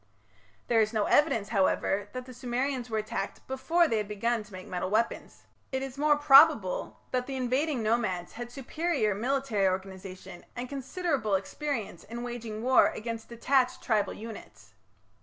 There is no evidence, however, that the Sumerians were attacked before they had begun to make metal weapons. It is more probable that the invading nomads had superior military organization and considerable experience in waging war against detached tribal units.